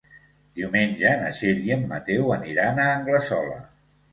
Diumenge na Txell i en Mateu aniran a Anglesola.